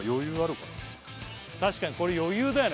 確かにこれ余裕だよね